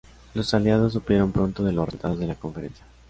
Los Aliados supieron pronto de los resultados de la conferencia.